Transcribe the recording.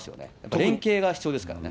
連係が必要ですからね。